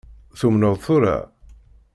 Tumneḍ tura?